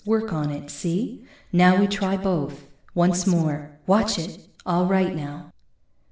Work on it, see? Now we try both. Once more watch it! All right, now.